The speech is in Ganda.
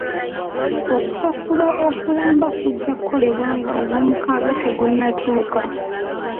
Okusasula okulamba kujja kukolebwa nga ogwomukaaga tegunnatuuka.